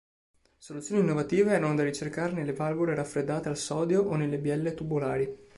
Soluzioni innovative erano da ricercare nelle valvole raffreddate al sodio o nelle bielle tubolari.